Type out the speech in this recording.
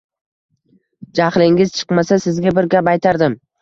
— Jaxlingiz chiqmasa, sizga bir gap aytardim.